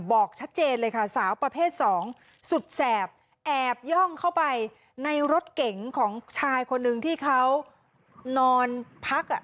บอกชัดเจนเลยค่ะสาวประเภทสองสุดแสบแอบย่องเข้าไปในรถเก๋งของชายคนนึงที่เขานอนพักอ่ะ